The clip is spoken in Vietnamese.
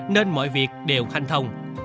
nên mọi việc đều hành thông